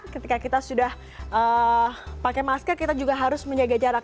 ketika kita sudah pakai masker kita juga harus menjaga jarak